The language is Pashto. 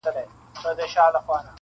هغه وایي روژه به نور زما په اذان نسې,